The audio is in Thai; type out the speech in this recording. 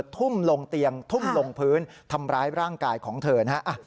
ทุ่มลงเตียงทุ่มลงพื้นทำร้ายร่างกายของเธอนะฮะ